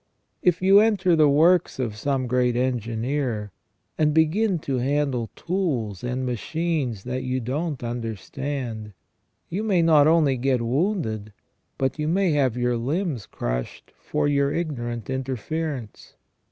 If you enter the works of some great engineer, and begin to handle tools and machines that you don't understand, you may not only get wounded, but may have your limbs crushed for your ignorant interference.